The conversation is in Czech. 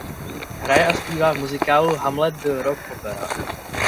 Hraje a zpívá v muzikálu "Hamlet The rock opera".